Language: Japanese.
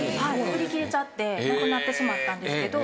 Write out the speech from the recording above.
売り切れちゃってなくなってしまったんですけど。